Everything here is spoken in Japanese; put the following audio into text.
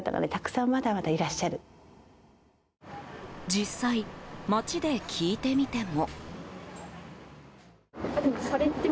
実際、街で聞いてみても。